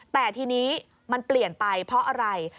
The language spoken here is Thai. แต่ทีนี้มันเปลี่ยนไปเพราะอะไร